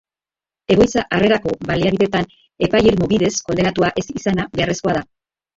Egoitza-harrerako baliabideetan epai irmo bidez kondenatua ez izana beharrezkoa da.